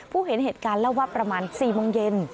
เห็นเหตุการณ์เล่าว่าประมาณ๔โมงเย็น